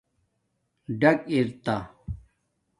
ڈاک ار تا